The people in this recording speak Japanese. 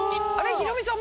ヒロミさん